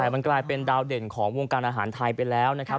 แต่มันกลายเป็นดาวเด่นของวงการอาหารไทยไปแล้วนะครับ